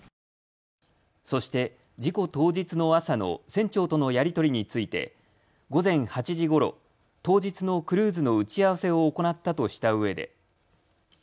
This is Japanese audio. そして事故当日の朝の船長とのやり取りについて午前８時ごろ、当日のクルーズの打ち合わせを行ったとしたうえで。